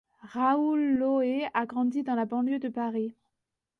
Raoul Loé a grandi dans la banlieue de Paris.